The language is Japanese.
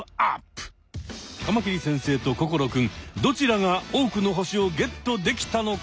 カマキリ先生と心くんどちらが多くの星をゲットできたのか。